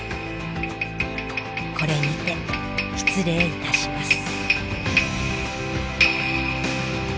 これにて失礼いたします。